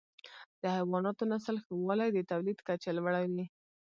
د حیواناتو نسل ښه والی د تولید کچه لوړه وي.